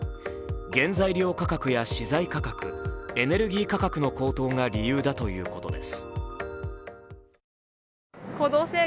原材料価格や資材価格エネルギー価格の高騰が理由だということです。